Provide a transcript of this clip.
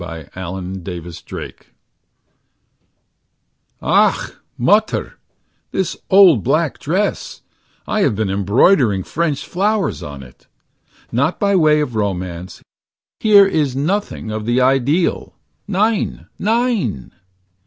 urlappend=%3Bseq=l 12 Ach, Mutter, This old, black dress — I have been embroidering French flowers on it. Not by way of romance — Here is nothing of the ideal, Nein, Nein .